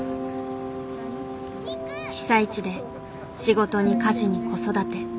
被災地で仕事に家事に子育て。